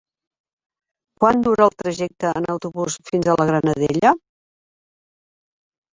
Quant dura el trajecte en autobús fins a la Granadella?